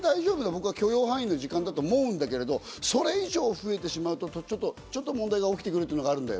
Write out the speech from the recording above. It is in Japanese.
僕は許容範囲だと思うんだけど、それ以上増えてしまったとき、ちょっと問題が起きてくる。